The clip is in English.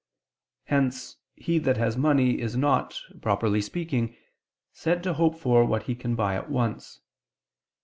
Hence he that has money is not, properly speaking, said to hope for what he can buy at once.